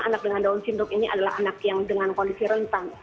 anak dengan down syndrome ini adalah anak yang dengan kondisi rentan